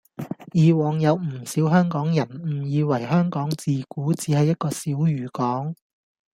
以往有唔少香港人誤以為香港自古只係一個小漁港